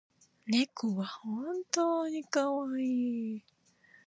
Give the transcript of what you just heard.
猫は本当にかわいい